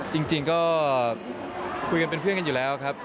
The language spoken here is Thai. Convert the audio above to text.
จริงก็คุยกันเป็นเพื่อนกันอยู่แล้วครับ